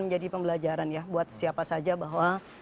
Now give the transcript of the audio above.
menjadi pembelajaran ya buat siapa saja bahwa